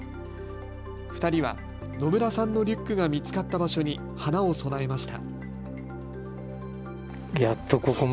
２人は野村さんのリュックが見つかった場所に花を供えました。